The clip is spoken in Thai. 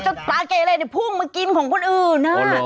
จนตราเกยเลยพึ่งมากินของคนอื่นน่ะ